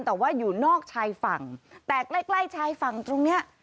แต่ว่าอยู่นอกชายฝั่งแต่ใกล้ใกล้ชายฝั่งตรงเนี้ย